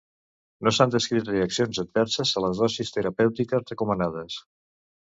No s'han descrit reaccions adverses a les dosis terapèutiques recomanades.